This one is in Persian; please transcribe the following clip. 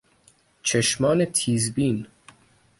چشمان تیزبین